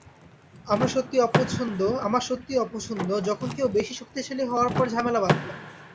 আমার সত্যিই অপছন্দ যখন কেউ বেশি শক্তিশালী হওয়ার পর ঝামেলা বাঁধায়।